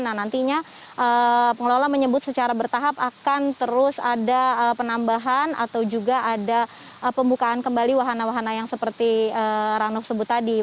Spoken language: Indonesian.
nah nantinya pengelola menyebut secara bertahap akan terus ada penambahan atau juga ada pembukaan kembali wahana wahana yang seperti rano sebut tadi